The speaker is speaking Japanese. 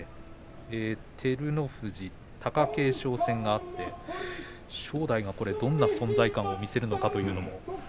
照ノ富士、貴景勝戦があって正代がこれ、どんな存在感を見せるのかというのも。